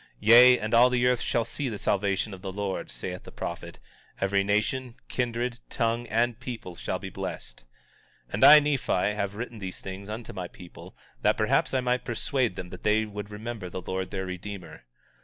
19:17 Yea, and all the earth shall see the salvation of the Lord, saith the prophet; every nation, kindred, tongue and people shall be blessed. 19:18 And I, Nephi, have written these things unto my people, that perhaps I might persuade them that they would remember the Lord their Redeemer.